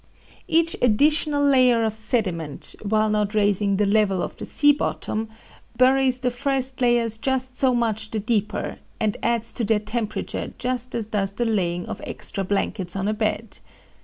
"Each additional layer of sediment, while not raising the level of the sea bottom, buries the first layers just so much the deeper and adds to their temperature just as does the laying of extra blankets on a bed.